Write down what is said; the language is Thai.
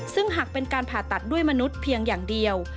ซึ่งหากเป็นการผ่าตัดด้วยมนุษย์เพียงอย่างเดียว